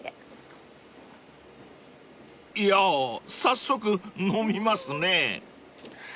［いやー早速飲みますね］